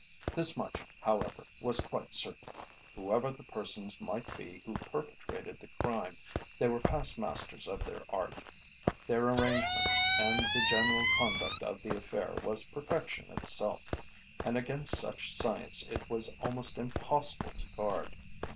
This much, however, was quite certain: whoever the persons might be who perpetrated the crime, they were past masters of their art. Their arrangements and the general conduct of the affair was perfection itself, and against such science it was almost impossible to guard.